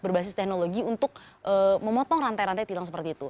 berbasis teknologi untuk memotong rantai rantai tilang seperti itu